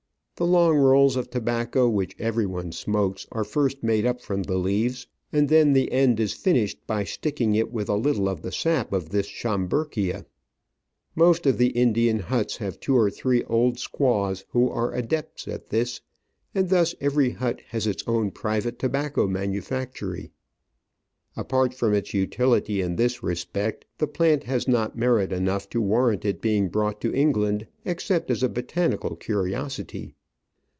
The long rolls of tobacco which everyone smokes are first made from the leaves, and then the end is finished by sticking it with a little of the sap of this Schomburgkia. Most of the Indian huts have two or three old squaws who are adepts at this, and thus every hut has its own private tobacco manufac tory. Apart from its utility in this respect, the plant has not merit enough to warrant it being brought to England, except as a botanical curiosity.